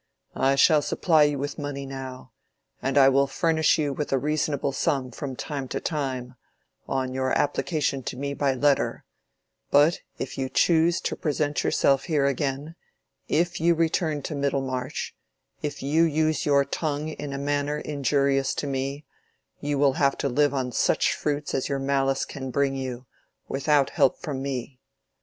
I shall supply you with money now, and I will furnish you with a reasonable sum from time to time, on your application to me by letter; but if you choose to present yourself here again, if you return to Middlemarch, if you use your tongue in a manner injurious to me, you will have to live on such fruits as your malice can bring you, without help from me.